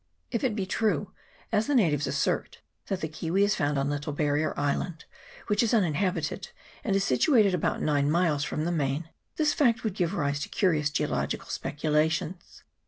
If it be true, as the natives assert, that the kiwi is found on Little Barrier Island which is unin habited, and is situated about nine miles from the main this fact would give rise to curious geolo gical speculations.